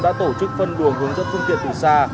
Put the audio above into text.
đã tổ chức phân luồng hướng dẫn phương tiện từ xa